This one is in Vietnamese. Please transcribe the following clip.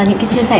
những cái chia sẻ